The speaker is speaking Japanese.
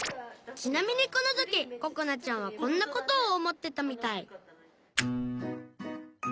ちなみにこの時ここなちゃんはこんな事を思ってたみたい